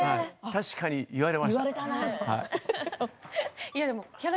確かに言われました。